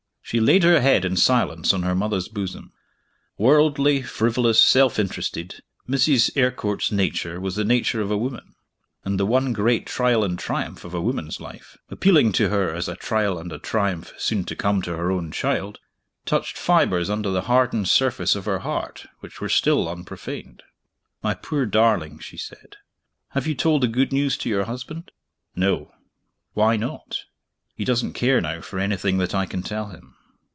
She laid her head in silence on her mother's bosom. Worldly, frivolous, self interested, Mrs. Eyrecourt's nature was the nature of a woman and the one great trial and triumph of a woman's life, appealing to her as a trial and a triumph soon to come to her own child, touched fibers under the hardened surface of her heart which were still unprofaned. "My poor darling," she said, "have you told the good news to your husband?" "No." "Why not?" "He doesn't care, now, for anything that I can tell him."